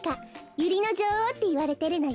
ユリのじょおうっていわれてるのよ。